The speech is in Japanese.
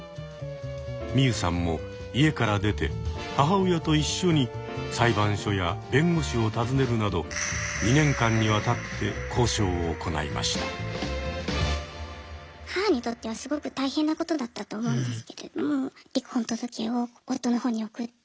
ミユさんも家から出て母親と一緒に裁判所や弁護士を訪ねるなど母にとってはすごく大変なことだったと思うんですけれども離婚届を夫の方に送って。